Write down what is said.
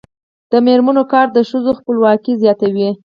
د میرمنو کار د ښځو خپلواکي زیاتوي.